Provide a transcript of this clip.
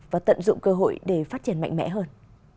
và tận dụng cơ hội để phát triển mạnh mẽ hơn